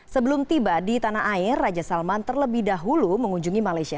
sebelum tiba di tanah air raja salman terlebih dahulu mengunjungi malaysia